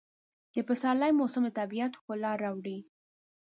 د پسرلي موسم د طبیعت ښکلا راوړي.